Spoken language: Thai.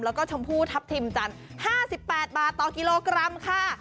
แล้วก็ชมพูทัพทิมจันทร์๕๘บาทต่อกิโลกรัมค่ะ